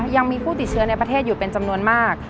ยังมีผู้ติดเชื้อในประเทศอยู่เป็นจำนวนมาก